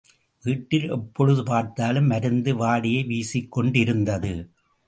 வீட்டில் எப்பொழுது பார்த்தாலும் மருந்து வாடையே வீசிக்கொண்டிருந்தது.